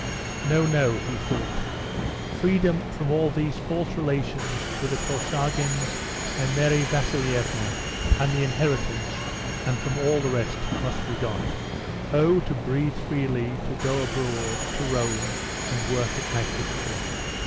"No, no," he thought; "freedom from all these false relations with the Korchagins and Mary Vasilievna and the inheritance and from all the rest must be got. Oh, to breathe freely, to go abroad, to Rome and work at my picture!"